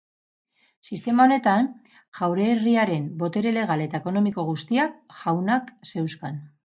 Sistema honetan, jaurerriaren botere legal eta ekonomiko guztiak jaunak zeuzkan.